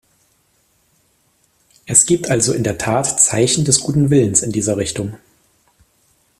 Es gibt also in der Tat Zeichen des guten Willens in dieser Richtung.